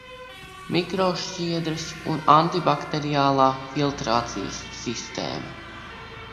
Mikrošķiedras un antibakteriālā filtrācijas sistēma